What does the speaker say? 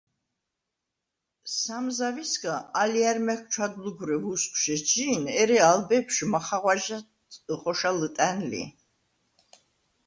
სამ ზავისგა ალჲა̈რ მა̈გ ჩვადლუგვრე ვუსგვშ ეჩჟი̄ნ, ერე ალ ბეფშვ მახაღვა̈ჟდ ხოშა ლჷტა̈ნ ლი.